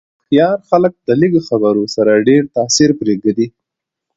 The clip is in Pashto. هوښیار خلک د لږو خبرو سره ډېر تاثیر پرېږدي.